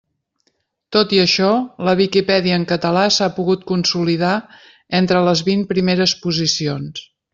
Tot i això, la Viquipèdia en català s'ha pogut consolidar entre les vint primeres posicions.